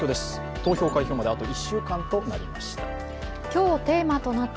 投票・開票まであと１週間となりました。